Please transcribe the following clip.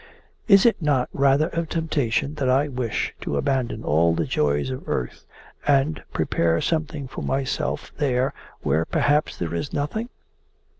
Is it not rather a temptation that I wish to abandon all the joys of earth and prepare something for myself there where perhaps there is nothing?